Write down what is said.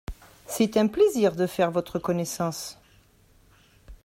C’est un plaisir de faire votre connaissance.